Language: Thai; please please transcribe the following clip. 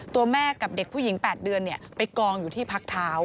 ตัวแม่กับเด็กผู้หญิง๘เดือนไปกองอยู่ที่พักเท้า